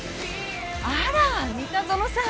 あら三田園さん。